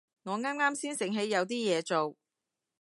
我啱啱先醒起有啲嘢做